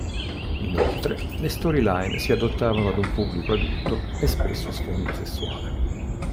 Inoltre le storyline si adottavano ad un pubblico adulto e spesso a sfondo sessuale.